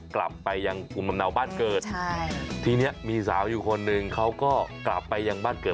กลับไปยังภูมิลำเนาบ้านเกิดใช่ทีนี้มีสาวอยู่คนหนึ่งเขาก็กลับไปยังบ้านเกิด